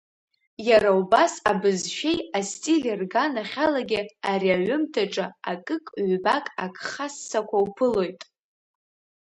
Иара убас абызшәеи астили рганахьалагьы ари аҩымҭаҿы акык-ҩбак агха ссақәа уԥылоит.